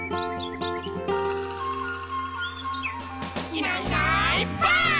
「いないいないばあっ！」